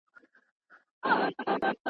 له کارونو یې وه ستړي اندامونه ..